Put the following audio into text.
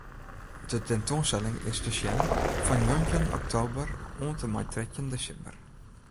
De tentoanstelling is te sjen fan njoggentjin oktober oant en mei trettjin desimber.